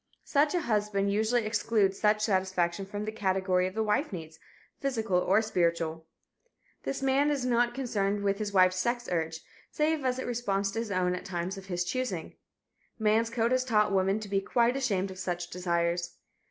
Such a husband usually excludes such satisfaction from the category of the wife's needs, physical or spiritual. This man is not concerned with his wife's sex urge, save as it responds to his own at times of his choosing. Man's code has taught woman to be quite ashamed of such desires.